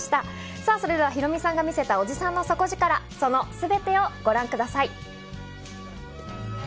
さあそれでは、ヒロミさんが見せたおじさんの底力、そのすべてをご覧ください。